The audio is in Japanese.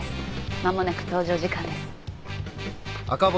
間もなく搭乗時間です。